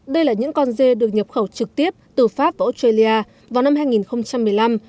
đây là những con dê được nhập khẩu trực tiếp từ pháp và australia vào năm hai nghìn một mươi năm